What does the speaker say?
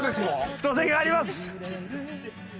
太線があります。